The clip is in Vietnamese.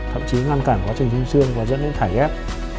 thậm chí ngăn cản quá trình dinh xương và dẫn đến thải ghét